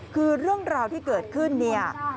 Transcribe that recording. คือเรื่องราวที่เกิดขึ้นเนี่ย